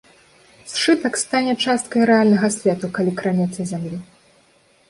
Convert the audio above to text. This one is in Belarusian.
Сшытак стане часткай рэальнага свету, калі кранецца зямлі.